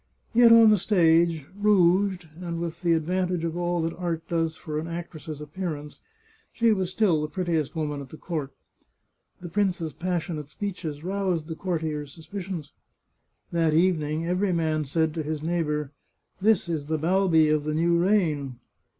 Yet on the stage, rouged, and with the advantage of all that art does for an actress's appearance, she was still the prettiest woman at the court. The prince's passionate speeches roused the cour tiers' suspicions. That evening, every man said to his neigh bour, " This is the Balbi of the new reign."